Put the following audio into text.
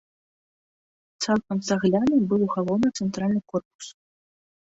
Цалкам цагляным быў галоўны цэнтральны корпус.